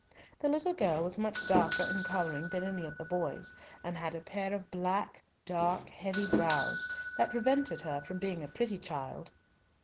The little girl was much darker in colouring than any of the boys, and had a pair of black, dark, heavy brows, that prevented her from being a pretty child.